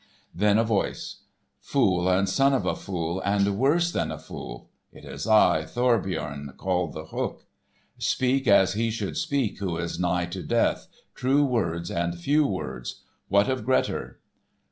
Then a voice: "Fool, and son of a fool, and worse than a fool! It is I, Thorbjorn, called The Hook. Speak as he should speak who is nigh to death, true words and few words. What of Grettir?"